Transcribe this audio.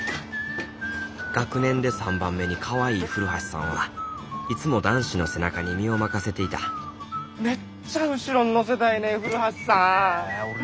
学年で３番目にかわいい古橋さんはいつも男子の背中に身を任せていためっちゃ後ろに乗せたいねん古橋さん！